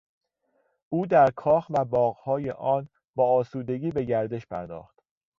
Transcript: او در کاخ و باغهای آن با آسودگی به گردش پرداخت.